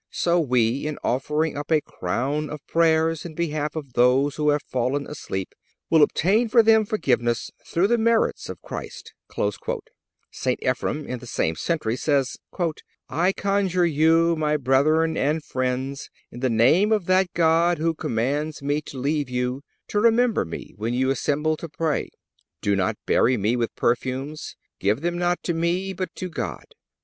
So we, in offering up a crown of prayers in behalf of those who have fallen asleep, will obtain for them forgiveness through the merits of Christ."(287) St. Ephrem, in the same century, says: "I conjure you, my brethren and friends, in the name of that God who commands me to leave you, to remember me when you assemble to pray. Do not bury me with perfumes. Give them not to me, but to God.